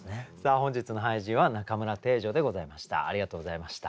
本日の俳人は中村汀女でございました。